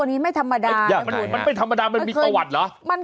โอ้โห